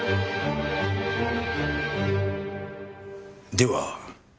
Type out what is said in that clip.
では？